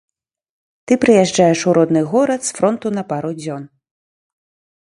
Ты прыязджаеш у родны горад з фронту на пару дзён.